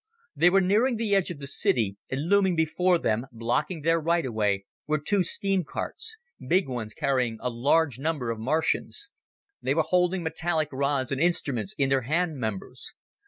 They were nearing the edge of the city, and looming before them, blocking their right of way, were two steam carts big ones carrying a large number of Martians. They were holding metallic rods and instruments in their hand members.